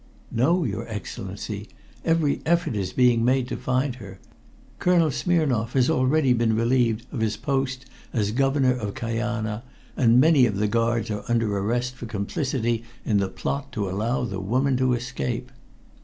"No, your Excellency. Every effort is being made to find her. Colonel Smirnoff has already been relieved of his post as Governor of Kajana, and many of the guards are under arrest for complicity in the plot to allow the woman to escape."